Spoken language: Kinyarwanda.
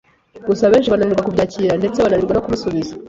gusa benshi bananirwa kubyakira ndetse bananirwa no kumusubiza